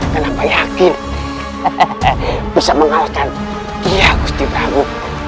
dan aku yakin bisa mengalahkan dia gusti prabu